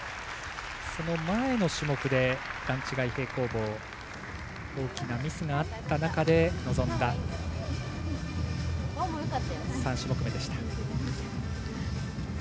その前の種目で段違い平行棒大きなミスがあった中で臨んだ３種目めでした。